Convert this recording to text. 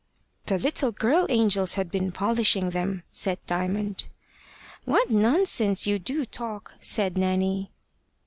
"The little girl angels had been polishing them," said Diamond. "What nonsense you do talk!" said Nanny.